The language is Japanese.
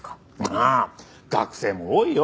ああ学生も多いよ。